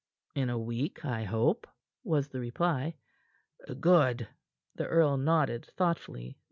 "In a week, I hope," was the reply. "Good." The earl nodded thoughtfully.